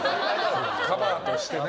カバーとしてね。